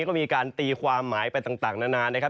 ก็มีการตีความหมายไปต่างนานนะครับ